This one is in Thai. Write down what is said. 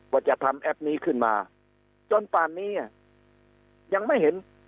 ว่าจะทำแอปนี้ขึ้นมาจนป่านนี้ยังไม่เห็น